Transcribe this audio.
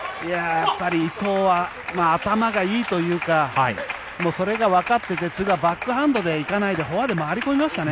やっぱり伊藤は頭がいいというかそれがわかっててバックハンドで行かないでフォアで回り込みましたね。